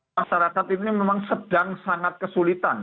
masyarakat ini memang sedang sangat kesulitan